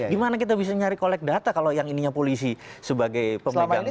di mana kita bisa nyari collect data kalau yang ininya polisi sebagai pemegangnya